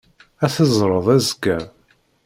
Ad t-teẓreḍ azekka.